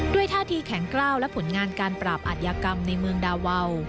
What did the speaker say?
ท่าทีแข็งกล้าวและผลงานการปราบอัธยากรรมในเมืองดาวาว